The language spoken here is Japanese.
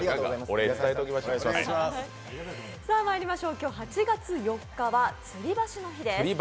今日８月４日吊り橋の日です。